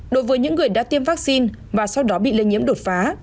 đối với những người đã tiêm vaccine và sau đó bị lây nhiễm đột phá